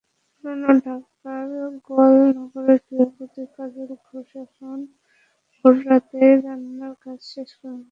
পুরান ঢাকার গোয়ালনগরে গৃহবধূ কাজল ঘোষ এখন ভোররাতেই রান্নার কাজ শেষ করেন।